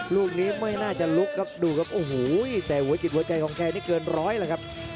ลูกนี้ไม่น่าจะลุกครับดูครับโอ้โหแต่หัวจิตหัวใจของแกนี่เกินร้อยแล้วครับ